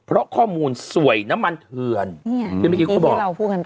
เพราะข้อมูลสวยน้ำมันเถือนที่เมื่อกี้พี่พูดกันไป